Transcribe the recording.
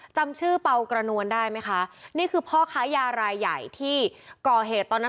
จำชื่อเปากระนวนได้มั้ยคะนี่คือพ่อข้ายาวะอาหารใหญ่ที่ก่อเฮตตอนนั้น